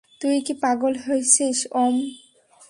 তুই কি পাগল হয়েছিস ওম?